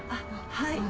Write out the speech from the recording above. はい。